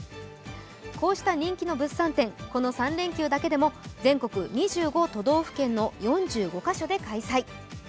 こうした人気の物産展、この３連休だけでも全国２５都道府県の４５カ所で開催。